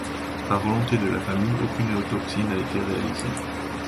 Par volonté de la famille, aucune autopsie n'a été réalisée.